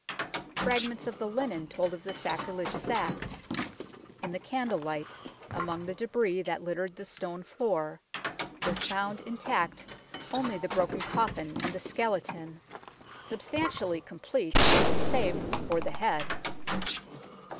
Frag ments of the linen told of the sacrilegious act. In the candle light, among the debris that littered the stone floor, was found intact only the broken coffin and the skeleton, substantially THE BONES OF MEN KAU RA 147 complete save for the head.